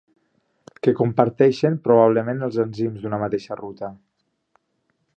Què comparteixen probablement els enzims d'una mateixa ruta?